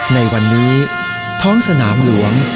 ในวันนี้ท้องสนามหลวง